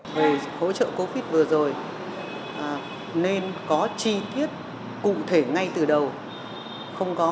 về hỗ trợ covid vừa rồi nên có chi tiết cụ thể ngay từ đầu